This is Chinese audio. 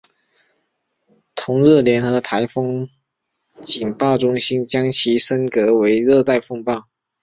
同日联合台风警报中心将其升格为热带风暴。